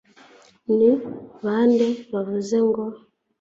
ni bande bavuze ngo